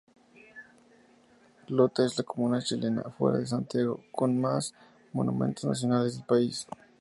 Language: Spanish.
Lota es la comuna chilena, fuera de Santiago, con más monumentos nacionales del país.